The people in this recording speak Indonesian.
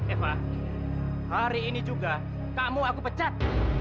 eva hari ini juga kamu aku pecat